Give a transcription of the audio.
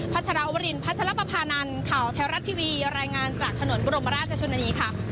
ชรวรินพัชรปภานันข่าวแท้รัฐทีวีรายงานจากถนนบรมราชชนนีค่ะ